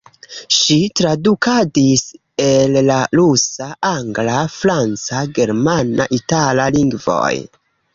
Ŝi tradukadis el la rusa, angla, franca, germana, itala lingvoj.